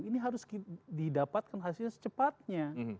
ini harus didapatkan hasilnya secepatnya